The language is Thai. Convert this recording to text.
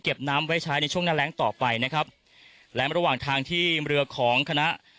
น้ำไว้ใช้ในช่วงหน้าแรงต่อไปนะครับและระหว่างทางที่เรือของคณะ